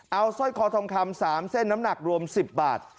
เอาสร้อยคอทองคำ๓เส้นน้ำหนักรวม๑๐บาท